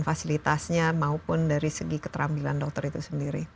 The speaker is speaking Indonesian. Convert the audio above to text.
fasilitasnya maupun dari segi keterampilan dokter itu sendiri